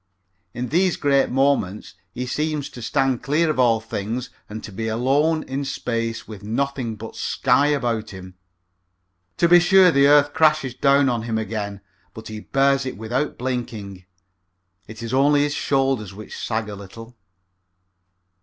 In these great moments he seems to stand clear of all things and to be alone in space with nothing but sky about him. To be sure the earth crashes down on him again, but he bears it without blinking. It is only his shoulders which sag a little.